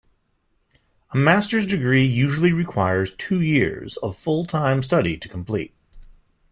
A Master's degree usually requires two years of full-time study to complete.